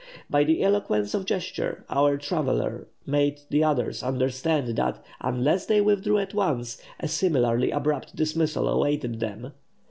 By the eloquence of gesture, our traveller made the others understand that, unless they withdrew at once, a similarly abrupt dismissal awaited them.